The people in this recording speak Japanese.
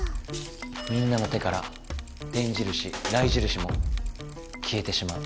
みんなの手から電印雷印もきえてしまう。